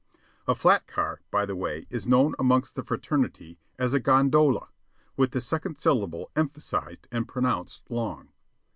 A flat car, by the way, is known amongst the fraternity as a "gondola," with the second syllable emphasized and pronounced long.